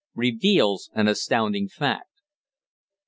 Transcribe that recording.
REVEALS AN ASTOUNDING FACT.